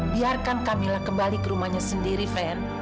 biarkan camilla kembali ke rumahnya sendiri fen